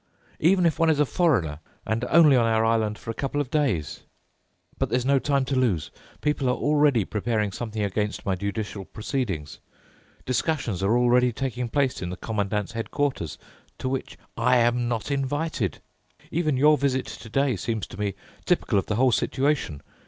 Even if one is a foreigner and only on our island for a couple of days? But there's no time to lose. People are already preparing something against my judicial proceedings. Discussions are already taking place in the Commandant's headquarters, to which I am not invited. Even your visit today seems to me typical of the whole situation.